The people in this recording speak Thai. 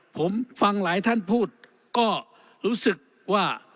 ผมฟังหลายท่านพูดก็รู้สึกว่า